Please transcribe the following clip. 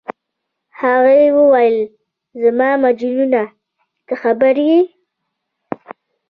هغې وویل: زما مجنونه، ته خبر یې؟